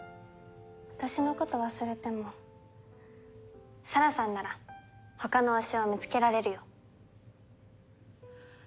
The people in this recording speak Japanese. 私のこと忘れても沙羅さんなら他の推しを見つけられるよ。